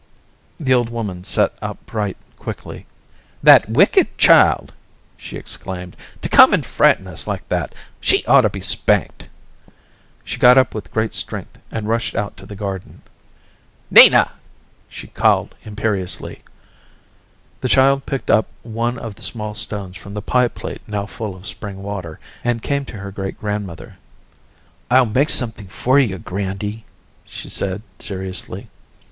The old woman sat upright quickly. "That wicked child!" she exclaimed. "To come and frighten us like that. She ought to be spanked." She got up with great strength and rushed out to the garden. "Nina!" she called imperiously. The child picked up one of the small stones from the pie plate now full of spring water, and came to her great grandmother. "I'll make something for you, Grandy," she said seriously.